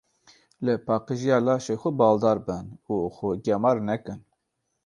Li paqijiya laşê xwe baldar bin û xwe gemar nekin.